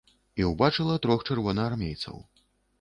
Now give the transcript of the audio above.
І ўбачыла трох чырвонаармейцаў.